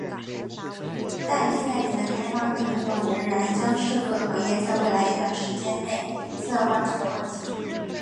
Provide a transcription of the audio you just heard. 但替代品的开发和应用仍然将是各行业在未来一段时期内需要关注的问题。